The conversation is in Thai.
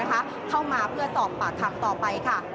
เข้ามาเพื่อสอบปากคำต่อไปค่ะ